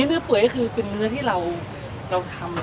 เนื้อเปื่อยก็คือเป็นเนื้อที่เราทำ